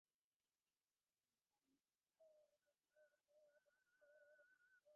এরপরেও যদি না পারি তবে পুনর্বার মাসিমার অন্ন খাওয়াই আমার উপযুক্ত শাস্তি হবে।